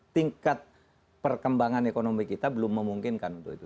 tingkat perkembangan ekonomi kita belum memungkinkan untuk itu